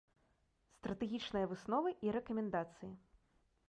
Стратэгічныя высновы і рэкамендацыі.